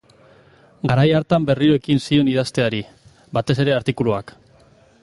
Garai hartan berriro ekin zion idazteari, batez ere artikuluak.